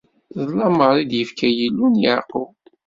D lameṛ i d-ifka Yillu n Yeɛqub.